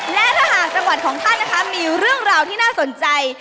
และถ้าหากจังหวัดของท่านนะคะมีเรื่องราวที่น่าสนใจ